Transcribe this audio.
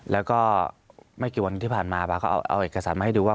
แล้วก็ไม่กี่วันที่ผ่านมาป๊าก็เอาเอกสารมาให้ดูว่า